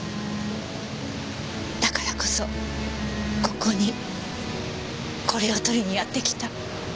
だからこそここにこれを取りにやってきた。